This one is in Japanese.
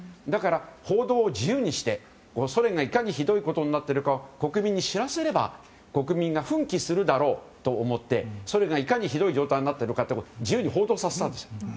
だから報道を自由にして、ソ連がいかにひどいことになっているか国民に知らせれば国民が奮起するだろうと思ってソ連が、いかにひどい状態になっているかを自由に報道させたんですよ。